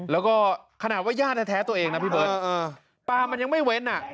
แล้วก็ขนาดว่ายาดแท้ตัวเองนะพี่บ้อร์ดว่ามันยังไม่เว้น